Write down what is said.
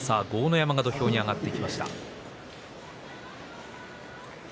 山が土俵に上がってきました。